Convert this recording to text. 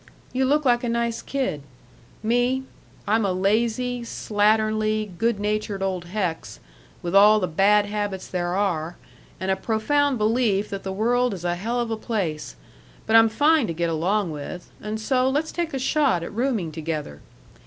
You look like a nice kid me, I'm a lazy, slatternly, good natured old hex, with all the bad habits there are and a profound belief that the world is a hell of a place, but I'm fine to get along with, and so let's take a shot at rooming together.